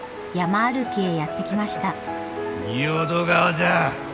仁淀川じゃ。